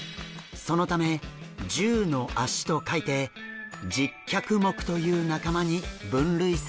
そのため十の脚と書いて十脚目という仲間に分類されるんです。